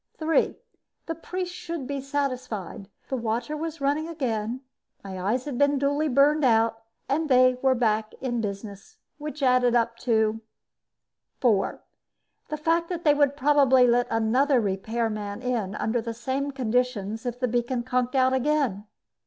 Three: The priests should be satisfied. The water was running again, my eyes had been duly burned out, and they were back in business. Which added up to Four: The fact that they would probably let another repairman in, under the same conditions, if the beacon conked out again.